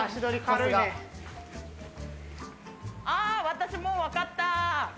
私もう分かった！